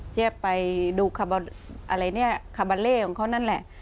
จะไปดูอะไรเนี่ยคาบาเล่ของเขานั่นแหละ